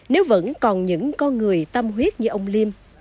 nếu vẫn còn những con người tâm huyết như ông liêm